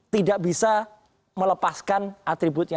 tidak bisa melepaskan atributnya